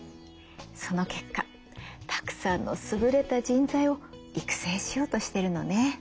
その結果たくさんの優れた人材を育成しようとしているのね。